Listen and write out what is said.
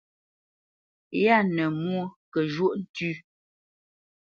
Yâ nə mwô kə zhwóʼ ntʉ́.